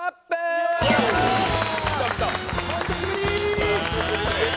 お久しぶり！